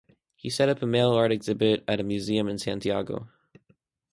He set up a mail art exhibit at a museum in Santiago.